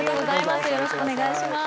よろしくお願いします。